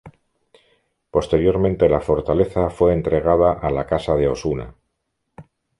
Posteriormente la fortaleza fue entregada a la Casa de Osuna.